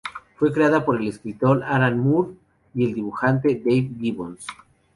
Fue creado por el escritor Alan Moore y el dibujante Dave Gibbons.